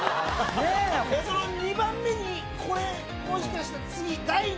２番目にこれもしかしたら。